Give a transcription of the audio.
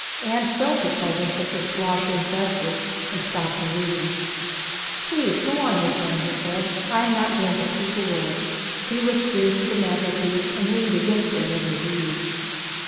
Anne felt the presence of the swashing Festus, and stopped her reading. 'Please go on, Miss Anne,' he said, 'I am not going to speak a word.' He withdrew to the mantelpiece and leaned against it at his ease.